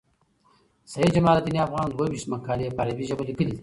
سید جمال الدین افغان دوه ویشت مقالي په عربي ژبه لیکلي دي.